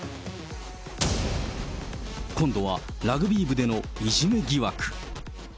今度はラグビー部でのいじめ疑惑。